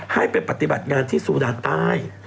ให้ไปปฏิบัติงานที่ซูดานใต้